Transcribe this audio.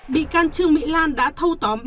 bị can trường mỹ lan đã thâu tóm